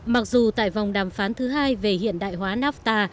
mặc dù tại vòng đàm phán thứ hai về hiện đại hóa nafta